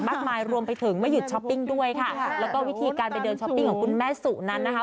มากมายรวมไปถึงไม่หยุดช้อปปิ้งด้วยค่ะแล้วก็วิธีการไปเดินช้อปปิ้งของคุณแม่สุนั้นนะคะ